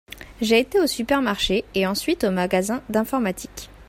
J'ai été au supermarché et ensuite au magasin d'informatique.